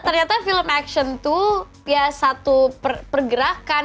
ternyata film action tuh ya satu pergerakan